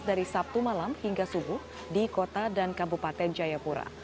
dari sabtu malam hingga subuh di kota dan kabupaten jayapura